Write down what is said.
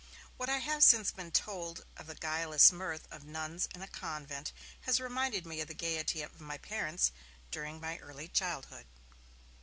What I have since been told of the guileless mirth of nuns in a convent has reminded me of the gaiety of my parents during my early childhood.